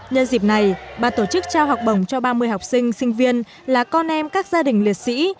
nhân dịp này bà tổ chức trao học bổng cho ba mươi học sinh sinh viên là con em các gia đình liệt sĩ